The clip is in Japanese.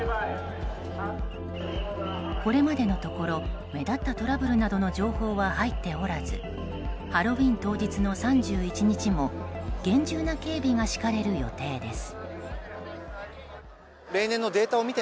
これまでのところ目立ったトラブルなどの情報は入っておらずハロウィーン当日の３１日も厳重な警備が敷かれる予定です。